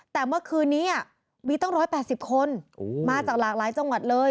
แต่เมื่อคืนนี้มีตั้ง๑๘๐คนมาจากหลากหลายจังหวัดเลย